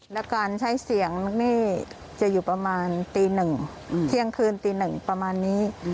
แล้วการใช้เสียงนี่จะอยู่ประมาณตีหนึ่งเที่ยงคืนตีหนึ่งประมาณนี้